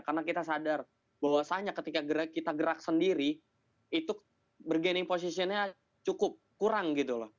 karena kita sadar bahwasannya ketika kita gerak sendiri itu bergaining positionnya cukup kurang gitu loh